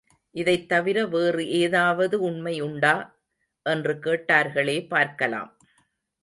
இதைத் தவிர வேறு ஏதாவது உண்மை உண்டா? என்று கேட்டார்களே பார்க்கலாம்.